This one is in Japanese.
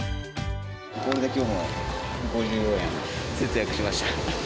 これできょうも５４円節約しました。